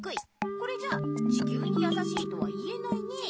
これじゃ地きゅうにやさしいとは言えないね。